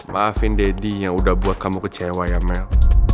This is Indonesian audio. maafin deddy yang udah buat kamu kecewa ya mel